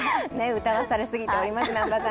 歌わされすぎております、南波さん。